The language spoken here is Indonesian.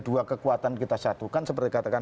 dua kekuatan kita satukan seperti katakan